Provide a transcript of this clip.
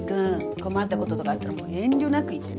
困った事とかあったら遠慮なく言ってね。